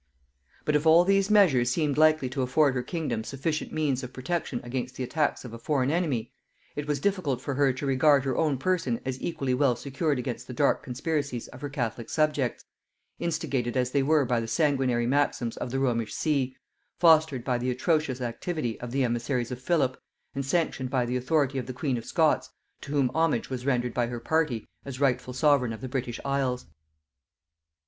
But if all these measures seemed likely to afford her kingdom sufficient means of protection against the attacks of a foreign enemy, it was difficult for her to regard her own person as equally well secured against the dark conspiracies of her catholic subjects, instigated as they were by the sanguinary maxims of the Romish see, fostered by the atrocious activity of the emissaries of Philip, and sanctioned by the authority of the queen of Scots, to whom homage was rendered by her party as rightful sovereign of the British isles.